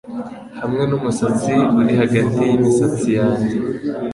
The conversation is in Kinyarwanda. Hamwe n'umusatsi uri hagati yimisatsi yanjye -